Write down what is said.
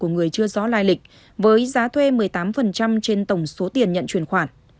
người chưa rõ lai lịch với giá thuê một mươi tám trên tổng số tiền nhận chuyển khoản